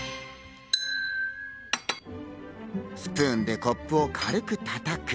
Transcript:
スプーンでコップを軽く叩く。